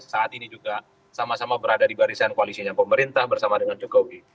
saat ini juga sama sama berada di barisan koalisinya pemerintah bersama dengan jokowi